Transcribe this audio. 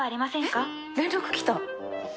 えっ連絡きた